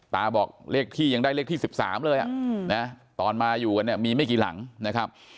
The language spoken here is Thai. บอกเลขที่ยังได้เลขที่๑๓เลยนะตอนมาอยู่กันเนี่ยมีไม่กี่หลังนะครับ